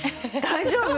大丈夫？